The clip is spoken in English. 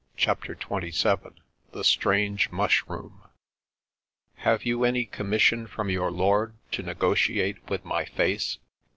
CHAPTER XXVII tSbc Stranfie Auabroom " Have vou any commission from your lord to negotiate with my face?